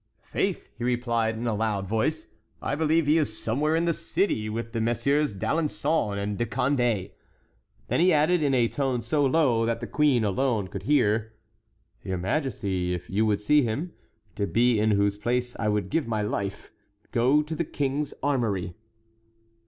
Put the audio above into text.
"Faith," he replied, in a loud voice, "I believe he is somewhere in the city with the Messieurs d'Alençon and de Condé." And then he added, in a tone so low that the queen alone could hear: "Your majesty, if you would see him,—to be in whose place I would give my life,—go to the king's armory."